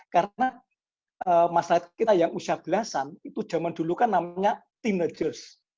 karena masyarakat kita yang usia belasan itu zaman dulu kan namanya teenagers